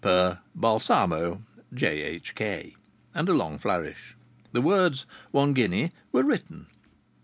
Per Balsamo, J.H.K.," and a long flourish. The words "one guinea" were written.